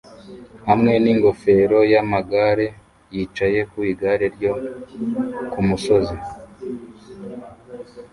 hamwe n'ingofero y'amagare yicaye ku igare ryo ku musozi